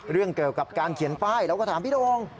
เรื่องเกี่ยวกับการเขียนป้ายแล้วก็ถามพี่โดง